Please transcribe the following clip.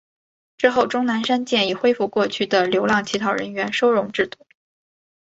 之后钟南山建议恢复过去的流浪乞讨人员收容制度。